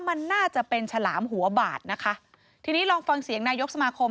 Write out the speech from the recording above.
มันน่าจะเป็นฉลามหัวบาดนะคะทีนี้ลองฟังเสียงนายกสมาคม